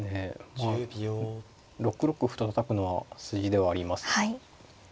まあ６六歩とたたくのは筋ではあります。